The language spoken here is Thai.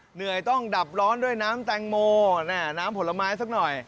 เหนื่อยต้องดับร้อนด้วยน้ำแตงโมน้ำผลไม้สักหน่อย